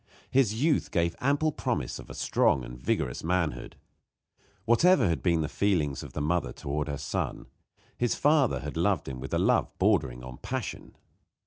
His youth gave ample promise of a strong and vigorous manhood. Whatever may have been the feelings of the mother toward her son, his father had loved him with a love bordering on passion.